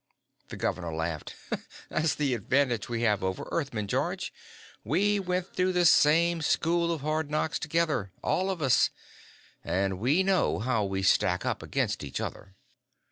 The governor laughed. "That's the advantage we have over Earthmen, George. We went through the same school of hard knocks together all of us. And we know how we stack up against each other."